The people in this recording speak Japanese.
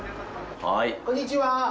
こんにちは。